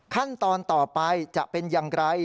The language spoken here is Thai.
ขั้นตอนต่อไปจะเป็นอย่างไร